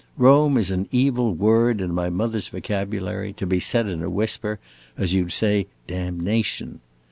Rome is an evil word, in my mother's vocabulary, to be said in a whisper, as you 'd say 'damnation.